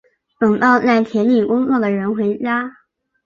等到在田里工作的人回家